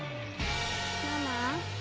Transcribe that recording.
ママ。